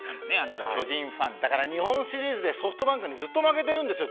だから日本シリーズでソフトバンクにずっと負けてるんですよ